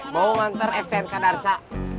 mau nganter stnk darza